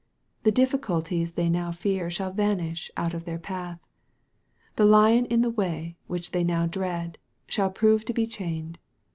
The difficulties they now fear shall vanish out of their path. The lion in the way which they now dread, shall prove to be chained.